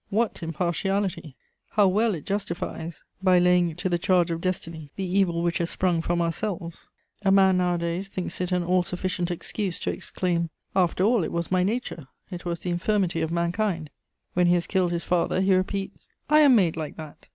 What impartiality! How well it justifies, by laying it to the charge of destiny, the evil which has sprung from ourselves! A man nowadays thinks it an all sufficient excuse to exclaim, "After all, it was my nature, it was the infirmity of mankind." When he has killed his father he repeats, "I am made like that!"